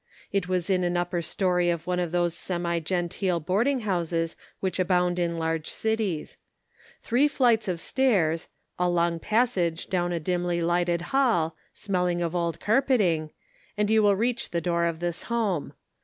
It was in an upper story of one of those semi genteel boarding houses which abound in large cities. Three flights of stairs, a long passage, down a dimly lighted hall, smelling of old carpeting, and you reach the door of this home.